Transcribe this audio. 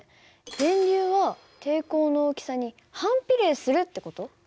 電流は抵抗の大きさに反比例するって事？